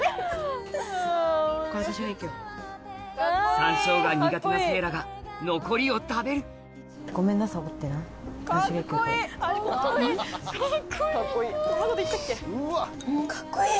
山椒が苦手なせいらが残りを食べる・カッコいい！